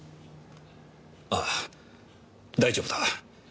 ああ大丈夫だ。